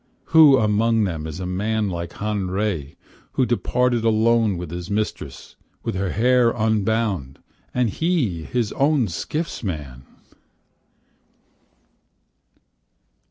Who among them is a man like Han rei Who departed alone with his mistress, With her hair unbound, and he his own skiffs man!